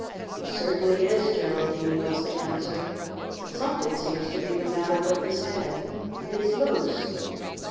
"He certainly is, Geraldine," was the answer. "But something seems to be the matter with his head. It is loose!"